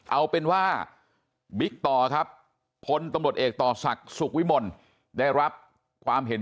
เอาเป็นว่าบิ๊กต่อครับพลตำรวจเอกต่อศักดิ์สุขวิมลได้รับความเห็น